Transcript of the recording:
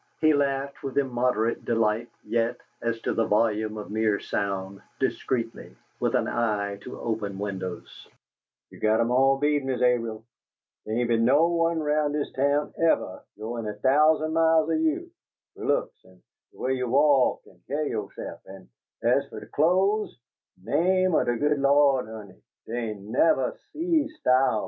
He laughed with immoderate delight, yet, as to the volume of mere sound, discreetly, with an eye to open windows. "You got 'em all beat, Miss Airil! Dey ain' be'n no one 'roun' dis town evah got in a thousum mile o' you! Fer looks, an' de way you walk an' ca'y yo'self; an' as fer de clo'es name o' de good lan', honey, dey ain' nevah SEE style befo'!